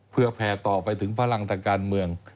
เพื่อแผ่ต่อไปถึงพลังทางการเมือง